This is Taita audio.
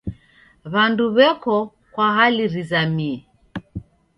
W'andu w'eko kwa hali rizamie.